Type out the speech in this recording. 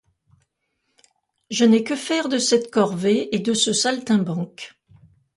Je n'ai que faire de cette corvée et de ce saltimbanque.